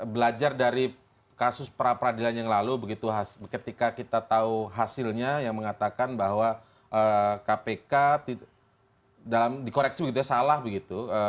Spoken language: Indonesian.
belajar dari kasus pra peradilan yang lalu begitu ketika kita tahu hasilnya yang mengatakan bahwa kpk dalam dikoreksi begitu ya salah begitu